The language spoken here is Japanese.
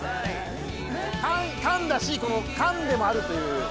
カンカンだし缶でもあるという。